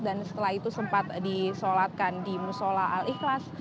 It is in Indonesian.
dan setelah itu sempat disolatkan di musola al ikhlas